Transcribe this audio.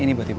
ini buat ibu